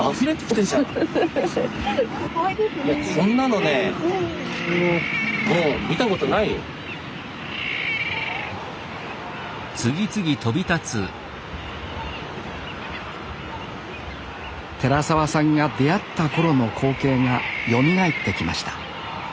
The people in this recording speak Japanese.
寺沢さんが出会った頃の光景がよみがえってきました